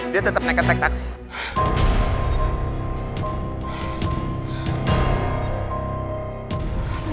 dia tetep naik naik taksi